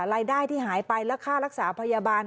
รายได้ที่หายไปและค่ารักษาพยาบาล